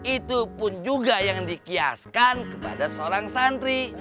itu pun juga yang dikiaskan kepada seorang santri